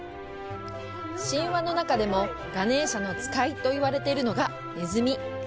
神話の中でも、ガネーシャの使いと言われているのがネズミ。